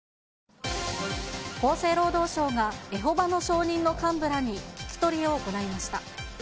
厚生労働省がエホバの証人の幹部らに聞き取りを行いました。